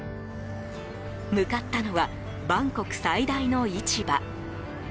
向かったのはバンコク最大の市場。